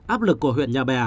áp lực của huyện nhà bè